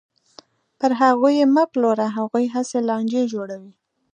پر هغوی یې مه پلوره، هغوی هسې لانجې جوړوي.